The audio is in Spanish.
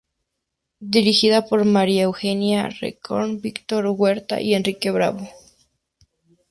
Dirigida por María Eugenia Rencoret, Víctor Huerta y Enrique Bravo.